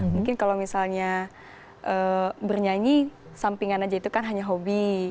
mungkin kalau misalnya bernyanyi sampingan aja itu kan hanya hobi